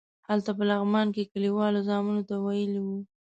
هلته په لغمان کې کلیوالو زامنو ته ویلي وو.